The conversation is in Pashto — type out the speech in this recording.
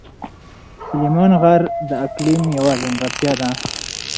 سلیمان غر د اقلیم یوه ځانګړتیا ده.